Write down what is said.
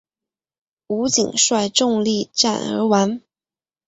吴瑾率众力战而亡。